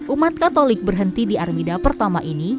umat katolik berhenti di armida pertama ini